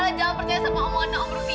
om rudy itu semuanya bohong